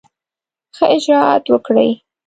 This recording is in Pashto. ښه اجرآت وکړي.